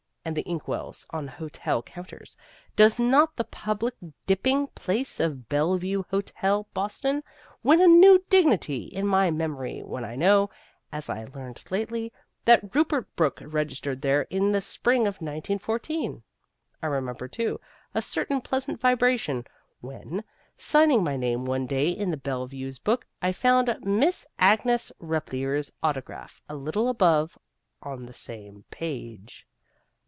And the ink wells on hotel counters does not the public dipping place of the Bellevue Hotel, Boston, win a new dignity in my memory when I know (as I learned lately) that Rupert Brooke registered there in the spring of 1914? I remember, too, a certain pleasant vibration when, signing my name one day in the Bellevue's book, I found Miss Agnes Repplier's autograph a little above on the same page.